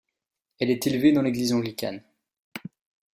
Elle est élevée dans l'Église anglicane.